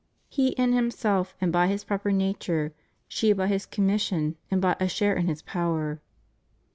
He in Himself and by His proper nature, she by His commission and by a share in His power.